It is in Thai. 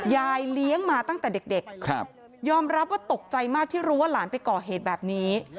ยายเลี้ยงมาตั้งแต่เด็กยอมรับว่าตกใจมากที่รู้ว่าหลานไปก่อเหตุแบบนี้